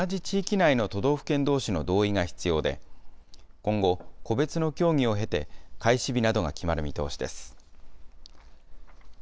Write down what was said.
実施に当たっては、同じ地域内の都道府県どうしの同意が必要で、今後、個別の協議を経て、開始日などが決まる見通しです。